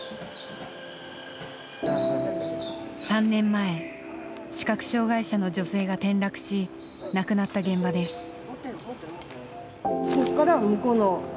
３年前視覚障害者の女性が転落し亡くなった現場です。